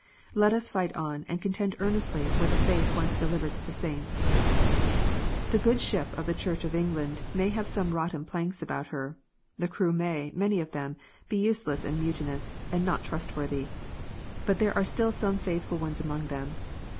Let us fight on, and contend earnestly for the faith once delivered to the saints. The good ship of the Church of England may have some rotten planks about her. The crew may, many of them, be useless and mutinous, and not trustworthy. But there are still some faithful ones among them.